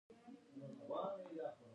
آیا پنځه هیوادونه ورسره شریک نه دي؟